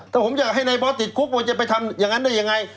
ถ้าผมอยากให้นายบอสติดคุกว่าจะไปทำอย่างนั้นได้ยังไง